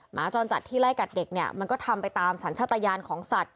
หมาจรจัดที่ไล่กัดเด็กเนี่ยมันก็ทำไปตามสัญชาติยานของสัตว